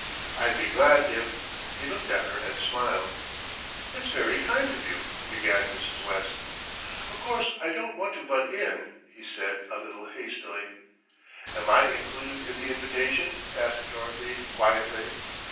I'd be glad if " He looked at her and smiled. "It's very kind of you " began Mrs. West. "Of course I don't want to butt in," he said a little hastily. "Am I included in the invitation?" asked Dorothy quietly.